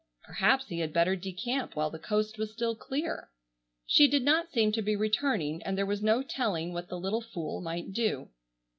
Perhaps he had better decamp while the coast was still clear. She did not seem to be returning and there was no telling what the little fool might do.